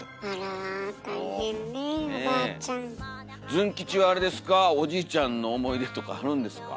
ズン吉はおじいちゃんの思い出とかあるんですか？